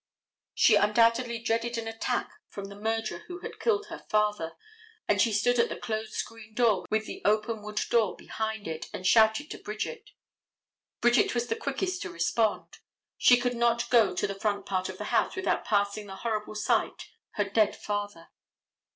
She undoubtedly dreaded an attack from the murderer who had killed her father, and she stood at the closed screen door with the open wood door behind it and shouted to Bridget. Bridget was the quickest to respond. She could not go to the front part of the house without passing the horrible sight, her dead father.